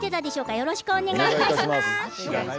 よろしくお願いします。